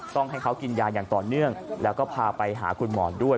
ต้องให้เขากินยาอย่างต่อเนื่องแล้วก็พาไปหาคุณหมอด้วย